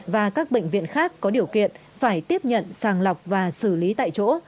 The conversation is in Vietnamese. và các bệnh viện khác có điều kiện phải tiếp nhận sàng lọc và xử lý tại chỗ